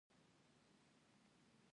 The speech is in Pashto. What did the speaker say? افغاني میوې په ښکلو قطیو کې صادریږي.